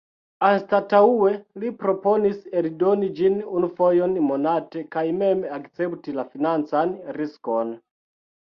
Anstataŭe li proponis eldoni ĝin unu fojon monate, kaj mem akcepti la financan riskon.